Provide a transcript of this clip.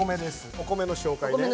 お米の紹介ね。